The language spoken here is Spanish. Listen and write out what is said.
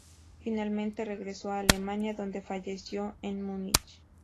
Finalmente regresó a Alemania, donde falleció en Múnich.